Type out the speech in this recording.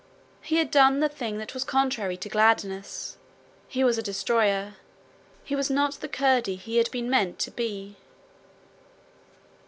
He had done the thing that was contrary to gladness; he was a destroyer! He was not the Curdie he had been meant to be!